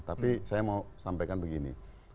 tapi saya mau sampaikan begini